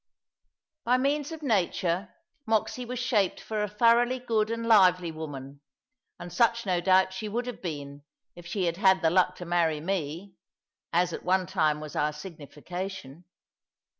By means of nature, Moxy was shaped for a thoroughly good and lively woman; and such no doubt she would have been, if she had had the luck to marry me, as at one time was our signification.